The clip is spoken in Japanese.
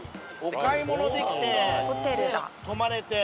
お買い物できてで泊まれて。